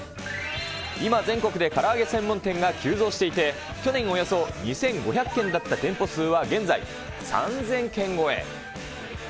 今、全国でから揚げ専門店が急増していて、去年およそ２５００軒だった店舗数は現在、３０００軒超え。